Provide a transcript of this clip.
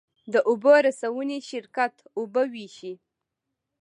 د اوبو رسونې شرکت اوبه ویشي